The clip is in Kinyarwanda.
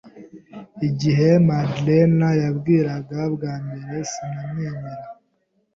Igihe Madalena yambwiraga bwa mbere, sinamwemera.